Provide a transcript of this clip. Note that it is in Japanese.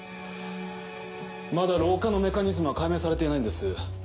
まだ老化のメカニズムは解明されていないんです。